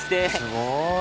すごい。